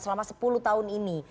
selama sepuluh tahun ini